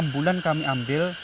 enam bulan kami ambil